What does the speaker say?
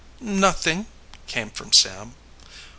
"Nothing," came from Sam.